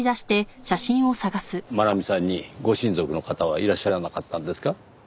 茉奈美さんにご親族の方はいらっしゃらなかったんですか？